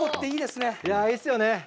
いいですよね。